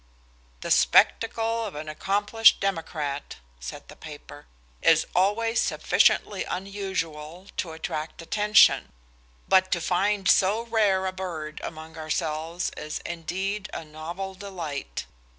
"The spectacle of an accomplished Democrat," said the paper, "is always sufficiently unusual to attract attention: but to find so rare a bird among ourselves is indeed a novel delight.